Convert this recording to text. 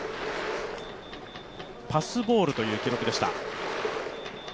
パスボールという記録でした。